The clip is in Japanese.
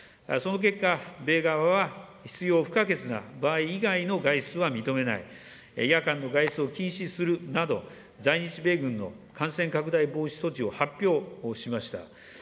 その結果、米側は必要不可欠な場合以外の外出は認めない、夜間の外出を禁止するなど、在日米軍の感染拡大防止措置を発表しました。